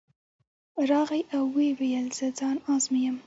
راغی او ویې ویل زه ځان ازمایم.